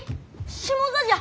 下座じゃ！